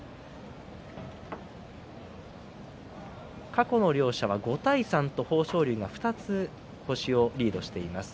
過去の両者は５対３と豊昇龍が２つ星をリードしています。